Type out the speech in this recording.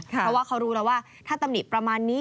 เพราะว่าเขารู้แล้วว่าถ้าตำหนิประมาณนี้